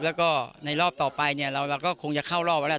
แล้วก็ในรอบต่อไปเนี่ยเราก็คงจะเข้ารอบแล้ว